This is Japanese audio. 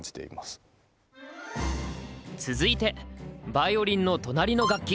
続いてヴァイオリンの隣の楽器！